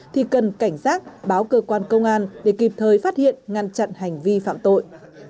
thì cần cảnh giác báo cơ quan công an để kịp thời phát hiện ngăn chặn hành vi phạm tội